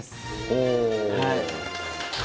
おお。